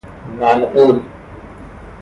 منقول